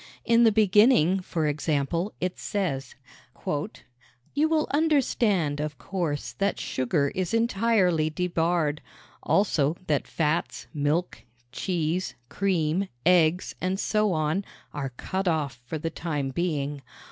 In the beginning, for example, it says: "You will understand, of course, that sugar is entirely debarred. Also, that fats, milk, cheese, cream, eggs, and so on, are cut off for the time being.